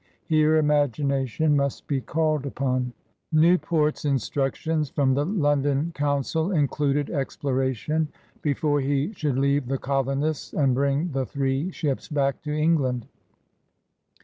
Here imagination must be called upon. Newport's instructions from the London G>un dl included exploration before he should leave the colonists and bring the three ships back to Eng land.